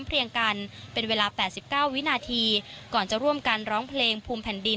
เรียงกันเป็นเวลา๘๙วินาทีก่อนจะร่วมกันร้องเพลงภูมิแผ่นดิน